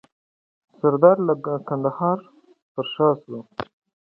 سردار له کندهار پر شا سو.